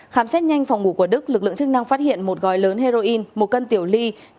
khám xét nhanh phòng ngủ của đức lực lượng chức năng phát hiện một gói lớn heroin một cân tiểu ly